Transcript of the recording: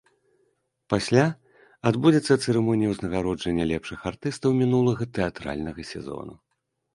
Пасля адбудзецца цырымонія ўзнагароджання лепшых артыстаў мінулага тэатральнага сезону.